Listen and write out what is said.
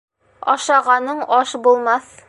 Ашағаның аш булмаҫ.